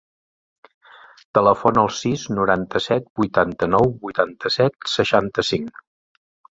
Telefona al sis, noranta-set, vuitanta-nou, vuitanta-set, seixanta-cinc.